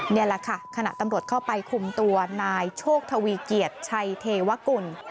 นี่แหละค่ะขณะตำรวจเข้าไปคุมตัวนายโชคทวีเกียจชัยเทวกุล